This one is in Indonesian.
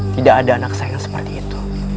tidak ada anak saya seperti itu